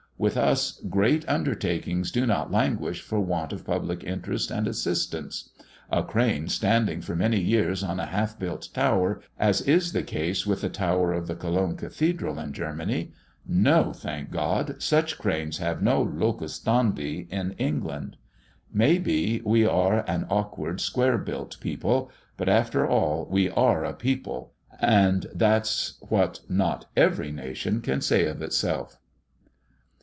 With us great undertakings do not languish for want of public interest and assistance. A crane standing for many years on a half built tower, as is the case with the tower of the Cologne Cathedral in Germany no! thank God, such cranes have no locus standi in England. May be, we are an awkward, square built people; but after all we are a people, and that's what not every nation can say of itself."